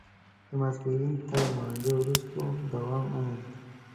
د ماسپښین تر لمانځه وروسته دوام وموند.